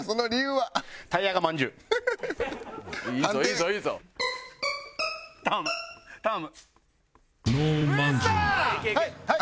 はい！